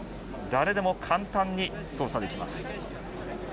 誰でも簡単に操作できます。